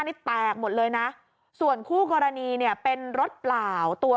นี่แตกหมดเลยนะส่วนคู่กรณีเนี่ยเป็นรถเปล่าตัว